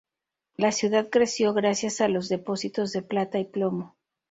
La ciudad creció gracias a los depósitos de plata y plomo.